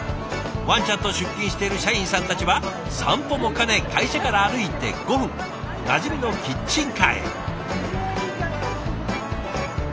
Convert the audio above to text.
ワンちゃんと出勤している社員さんたちは散歩も兼ね会社から歩いて５分なじみのキッチンカーへ。